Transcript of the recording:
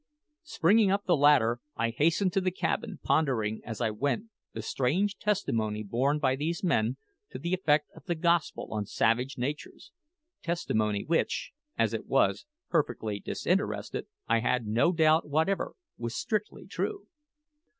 Springing up the ladder, I hastened to the cabin, pondering as I went the strange testimony borne by these men to the effect of the Gospel on savage natures testimony which, as it was perfectly disinterested, I had no doubt whatever was strictly true.